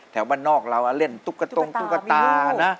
แถวบ้านนอกเราเล่นตุ๊กกะตัว